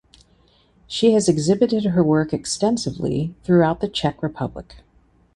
She has exhibited her work extensively throughout the Czech Republic.